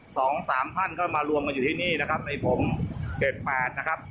สองสามท่านก็มารวมกันอยู่ที่นี่นะครับในผมเจ็ดแปดนะครับ